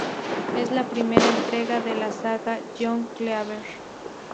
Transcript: Es la primera entrega de la saga "John Cleaver".